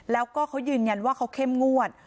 แล้วก็เขายืนยันว่าเขาเข้มงวด